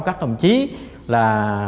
các đồng chí là